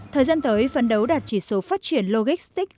thời gian tới phấn đấu đạt chỉ số phát triển logistics